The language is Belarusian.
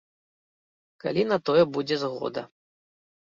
Калі на тое будзе згода.